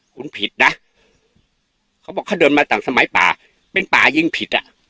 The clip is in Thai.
คุณผิดนะเขาบอกเขาเดินมาต่างสมัยป่าเป็นป่ายิงผิดอ่ะ